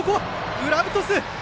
グラブトス！